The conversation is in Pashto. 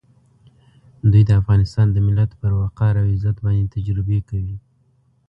دوی د افغانستان د ملت پر وقار او عزت باندې تجربې کوي.